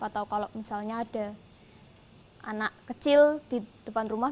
atau kalau misalnya ada anak kecil di depan rumah